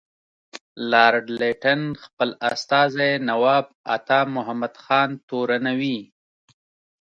لارډ لیټن خپل استازی نواب عطامحمد خان تورنوي.